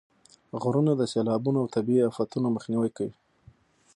غرونه د سیلابونو او طبیعي افتونو مخنیوي کې مرسته کوي.